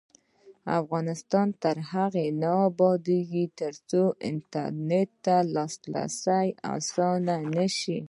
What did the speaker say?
افغانستان تر هغو نه ابادیږي، ترڅو انټرنیټ ته لاسرسی اسانه نشي.